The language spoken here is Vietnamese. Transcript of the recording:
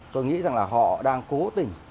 tôi nghĩ rằng là họ đang cố tình